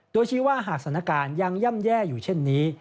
โดยชี้ว่าหากสถานการณ์ยังย่ำแย่อยู่เช่นนี้